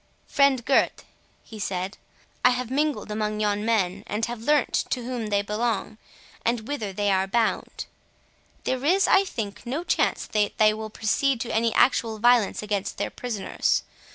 "Friend Gurth," he said, "I have mingled among yon men, and have learnt to whom they belong, and whither they are bound. There is, I think, no chance that they will proceed to any actual violence against their prisoners.